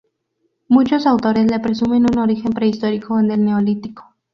Muchos autores le presumen un origen prehistórico, en el Neolítico.